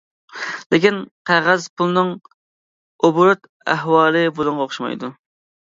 لېكىن، قەغەز پۇلنىڭ ئوبوروت ئەھۋالى بۇنىڭغا ئوخشىمايدۇ.